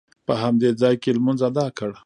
په همدې ځاې کې لمونځ ادا کړ.